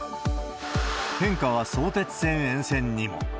変化は相鉄線沿線にも。